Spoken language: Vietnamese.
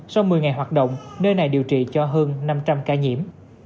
sau một mươi ngày hoạt động nơi này điều trị cho hơn năm trăm linh ca nhiễm